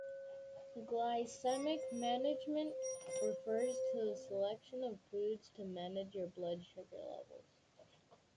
Glycemic management refers to the selection of foods to manage your blood sugar levels.